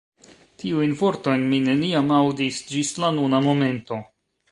Tiujn vortojn mi neniam aŭdis ĝis la nuna momento.